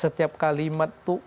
setiap kalimat itu